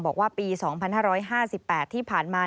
บอกว่าปี๒๕๕๘ที่ผ่านมา